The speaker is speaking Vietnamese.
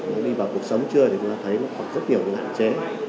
nhưng đi vào cuộc sống trưa thì chúng ta thấy nó còn rất nhiều ngạn chế